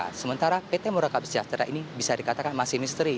nah sementara pt murakabi sejahtera ini bisa dikatakan masih misteri